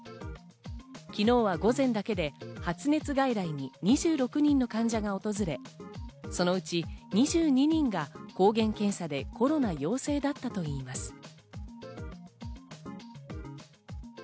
昨日は午前だけで発熱外来に２６人の患者が訪れ、そのうち２２人が抗原検査でコロナ陽性だったといいます。